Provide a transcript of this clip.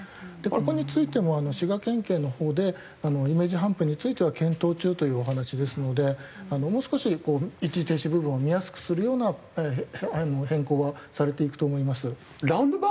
ここについても滋賀県警のほうでイメージハンプについては検討中というお話ですのでもう少し一時停止部分を見やすくするような変更はされていくと思います。